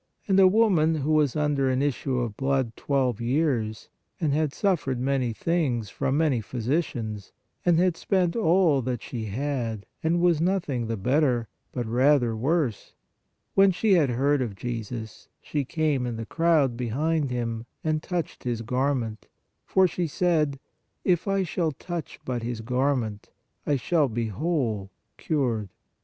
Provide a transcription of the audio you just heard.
And a woman who was under an issue of blood twelve years, and had suffered many things from many physicians, and had spent all that she had, and was nothing the better, but rather worse. When she had heard of Jesus, she came in the crowd behind Him and touched His garment, for she said : If I shall touch but His garment, I shall be whole THE WOMAN ILL 12 YEARS 95 (cured).